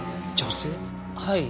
はい。